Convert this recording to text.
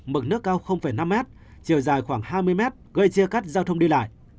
mực nước cao năm m chiều dài khoảng hai mươi mét gây chia cắt giao thông đi lại